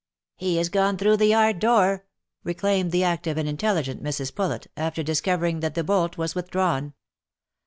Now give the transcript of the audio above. " He is gone through the yard door I" proclaimed the active and intelligent Mrs. Poulet, after discovering that the bolt was with drawn.